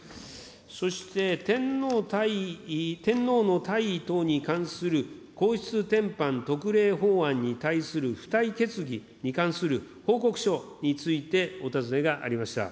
そして、天皇の退位等に関する皇室典範特例法案に対する付帯決議に関する報告書について、お尋ねがありました。